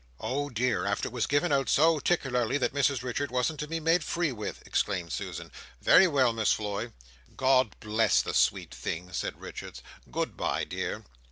"Oh dear! after it was given out so "tickerlerly, that Mrs Richards wasn't to be made free with!" exclaimed Susan. "Very well, Miss Floy!" "God bless the sweet thing!" said Richards, "Good bye, dear!"